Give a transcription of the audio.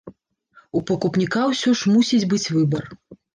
У пакупніка ўсё ж мусіць быць выбар.